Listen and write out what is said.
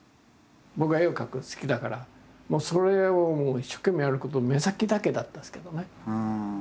僕は絵を描くの好きだからもうそれを一生懸命やること目先だけだったですけどね。